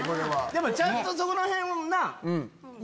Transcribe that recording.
でもちゃんとそこらへんなぁ。